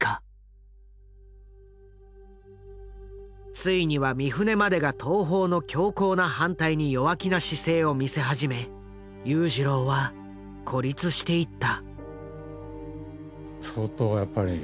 ついには三船までが東宝の強硬な反対に弱気な姿勢を見せ始め裕次郎は孤立していった。